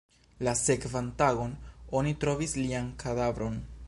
La sekvan tagon, oni trovis lian kadavron.